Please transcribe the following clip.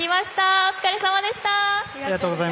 お疲れさまでした。